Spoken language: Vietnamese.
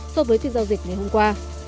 so với phiên giao dịch ngày hôm qua